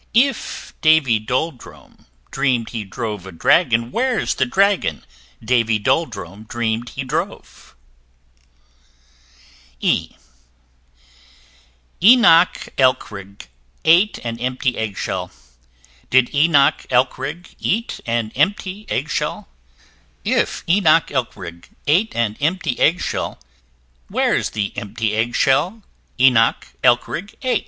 If Davy Dolldrum dream'd he drove a dragon Where's the dragon Davy Dolldrum dream'd he drove? E e [Illustration: Enoch Elkrig] Enoch Elkrig ate an empty Eggshell: Did Enoch Elkrig eat an empty Eggshell? If Enoch Elkrig ate an empty Eggshell, Where's the empty eggshell Enoch Elkrig ate?